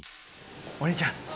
お兄ちゃん！